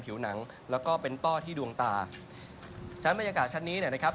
ผิวหนังแล้วก็เป็นต้อที่ดวงตาฉะนั้นบรรยากาศชั้นนี้เนี่ยนะครับ